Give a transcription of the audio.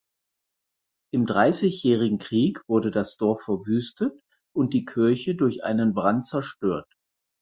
Im Dreißigjährigen Krieg wurde das Dorf verwüstet und die Kirche durch einen Brand zerstört.